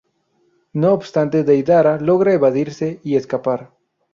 No obstante Deidara logra evadirse y escapar.